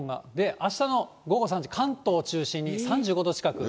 あしたの午後３時、関東を中心に３５度近く。